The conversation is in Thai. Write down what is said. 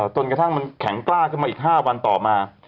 จนกระทั่งมันแข็งกล้าขึ้นมาอีก๕วันต่อมา